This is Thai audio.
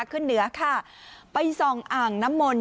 ขึ้นเหนือค่ะไปส่องอ่างน้ำมนต